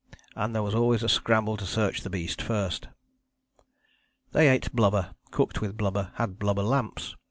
and there was always a scramble to search the beast first." They ate blubber, cooked with blubber, had blubber lamps.